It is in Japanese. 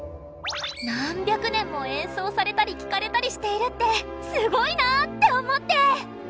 何百年も演奏されたり聴かれたりしているってすごいなって思って！